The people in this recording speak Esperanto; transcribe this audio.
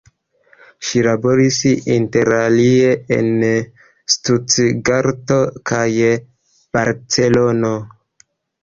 Ŝi laboris interalie en Stutgarto kaj Barcelono.